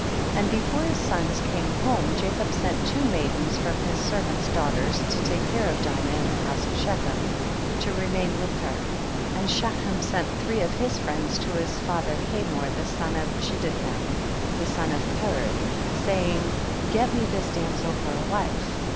16. And before his sons came home Jacob sent two maidens from his servants' daughters to take care of Dinah in the house of Shechem, and to remain with her, and Shechem sent three of his friends to his father Hamor the son of Chiddckem, the son of Pered, saying, get me this damsel for a wife.